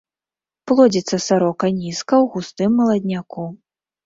Плодзіцца сарока нізка ў густым маладняку.